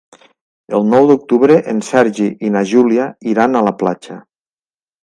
El nou d'octubre en Sergi i na Júlia iran a la platja.